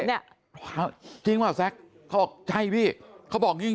จริงหรือวะแซคเขาออกใช่พี่เขาบอกจริง